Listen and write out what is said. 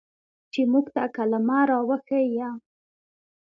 چې موږ ته کلمه راوښييه.